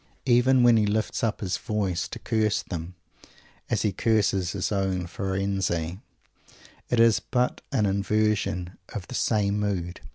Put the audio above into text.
Even when he lifts up his voice to curse them, as he curses his own Firenze, it is but an inversion of the same mood.